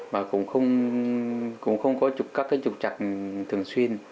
và cũng không có các trục trặc thường xuyên